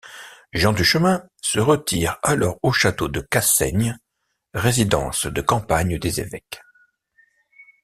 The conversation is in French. Jean Duchemin se retire alors au château de Cassaigne, résidence de campagne des évêques.